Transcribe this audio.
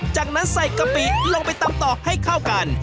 จากนั้นใส่กะปิลงไปตำต่อให้เข้ากัน